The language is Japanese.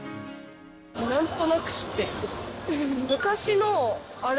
なんとなく知ってる。